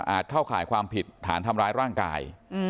เข้าข่ายความผิดฐานทำร้ายร่างกาย